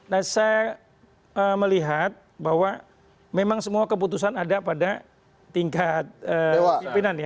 nah saya melihat bahwa memang semua keputusan ada pada tingkat pimpinan ya